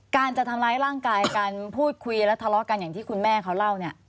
การจะทำร้ายร่างกายกันพูดคุยและทะเลาะกันอย่างที่คุณแม่เขาเล่าเนี่ย